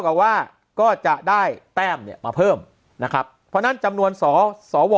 กับว่าก็จะได้แป้มมาเพิ่มนะครับเพราะนั้นจำนวนสสว